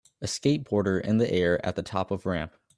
A skateboarder in the air at the top of ramp